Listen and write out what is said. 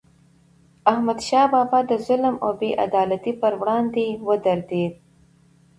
احمد شاه بابا د ظلم او بې عدالتی پر وړاندې ودرید.